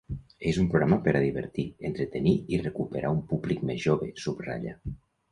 És un programa per a divertir, entretenir i recuperar un públic més jove, subratlla.